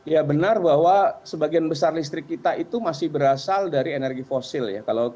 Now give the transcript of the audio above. ya benar bahwa sebagian besar listrik kita itu masih berasal dari energi fosil ya